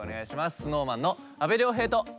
ＳｎｏｗＭａｎの阿部亮平と。